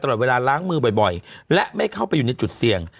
ตลอดเวลาล้างมือบ่อยและไม่เข้าไปอยู่ในจุดเสี่ยง